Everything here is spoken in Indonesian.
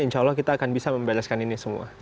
insya allah kita akan bisa membebaskan ini semua